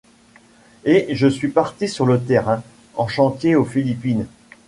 Et je suis partie sur le terrain, en chantier aux Philippines.